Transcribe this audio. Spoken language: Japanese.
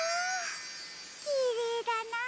きれいだな！